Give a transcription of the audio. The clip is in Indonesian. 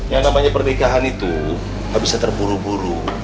yang namanya pernikahan itu gak bisa terburu buru